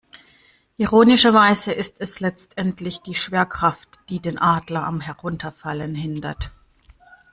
Ironischerweise ist es letztendlich die Schwerkraft, die den Adler am Herunterfallen hindert.